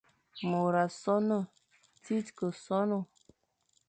Môr a sonhe, tsir ke sonhe,